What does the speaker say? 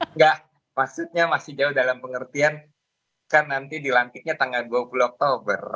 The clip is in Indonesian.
enggak maksudnya masih jauh dalam pengertian kan nanti dilantiknya tanggal dua puluh oktober